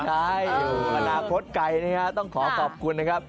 ใช่มานาโพดไก่ต้องขอขอบคุณนะครับ